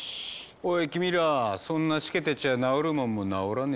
おい君らそんなしけてちゃ治るもんも治らねえぞ。